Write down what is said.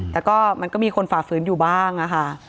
แต่ก็มันก็มีคนฝ่าฝืนอยู่บ้างค่ะ